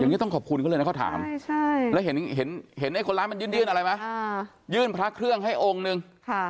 อย่างนี้ต้องขอบคุณเขาเลยนะเขาถามแล้วเห็นไอ้คนร้ายมันยื่นอะไรไหมยื่นพระเครื่องให้องค์นึง